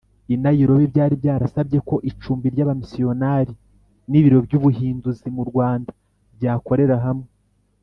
i Nairobi byari byarasabye ko icumbi ry abamisiyonari n ibiro by ubuhinduzi mu Rwanda byakorera hamwe